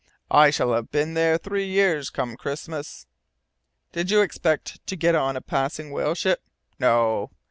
"I shall have been there three years, come Christmas." "Did you expect to get on a passing whale ship?" "No."